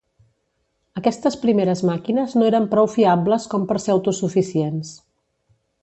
Aquestes primeres màquines no eren prou fiables com per ser autosuficients.